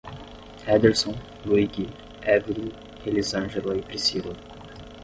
Éderson, Luigi, Eveli, Elizângela e Pricila